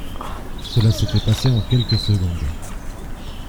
Cela s'était passé en quelques secondes.